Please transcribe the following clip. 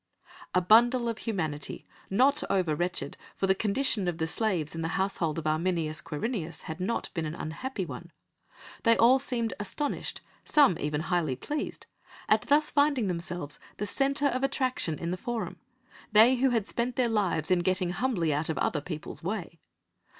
A bundle of humanity not over wretched, for the condition of the slaves in the household of Arminius Quirinius had not been an unhappy one they all seemed astonished, some even highly pleased, at thus finding themselves the centre of attraction in the Forum, they who had spent their lives in getting humbly out of other people's way.